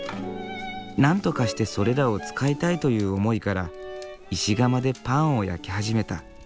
なんとかしてそれらを使いたいという思いから石窯でパンを焼き始めた。